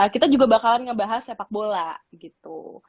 kita juga bakalan ngebahas sepak bola gitu